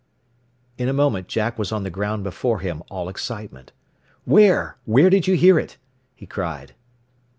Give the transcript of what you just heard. In a moment Jack was on the ground before him, all excitement. "Where? Where did you hear it?" he cried.